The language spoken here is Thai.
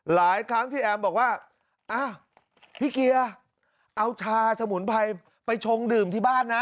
หลายครั้งที่แอมบอกว่าอ้าวพี่เกียร์เอาชาสมุนไพรไปชงดื่มที่บ้านนะ